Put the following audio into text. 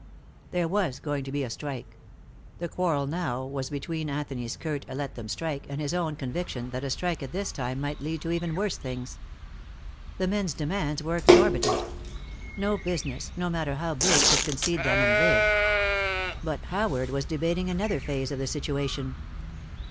There was going to be a strike. The quarrel now was between Anthony's curt "Let them strike," and his own conviction that a strike at this time might lead to even worse things. The men's demands were exorbitant. No business, no matter how big, could concede them and live. But Howard was debating another phase of the situation.